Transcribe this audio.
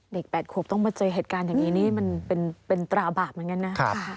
๘ขวบต้องมาเจอเหตุการณ์อย่างนี้นี่มันเป็นตราบาปเหมือนกันนะ